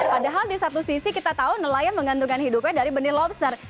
padahal di satu sisi kita tahu nelayan menggantungkan hidupnya dari benih lobster